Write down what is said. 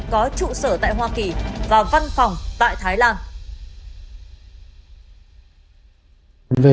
có trụ sở tại hoa kỳ và văn phòng tại thái lan